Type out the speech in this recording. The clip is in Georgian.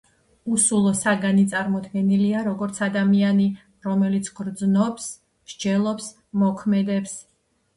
უსულო საგანი წარმოდგენილია, როგორც ადამიანი, რომელიც გრძნობს, მსჯელობს, მოქმედებს.